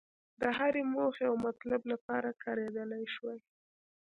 د هرې موخې او مطلب لپاره کارېدلای شوای.